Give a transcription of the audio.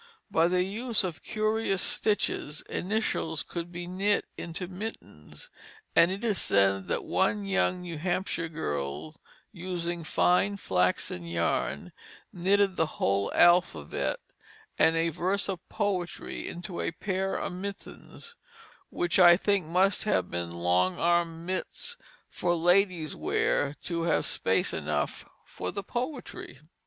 By the use of curious stitches initials could be knit into mittens; and it is said that one young New Hampshire girl, using fine flaxen yarn, knit the whole alphabet and a verse of poetry into a pair of mittens; which I think must have been long armed mitts for ladies' wear, to have space enough for the poetry.